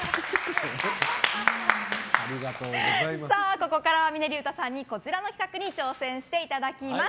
ここからは峰さんにこちらの企画に挑戦していただきます。